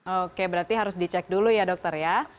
oke berarti harus dicek dulu ya dokter ya